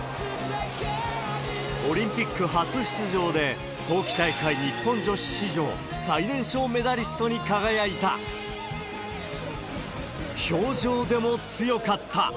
オリンピック初出場で、冬季大会日本女子史上最年少メダリストに輝いた。